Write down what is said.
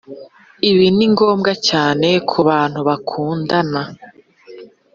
ibi ni ngombwa cyane ku bantu bakundana,